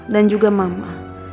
dan juga mama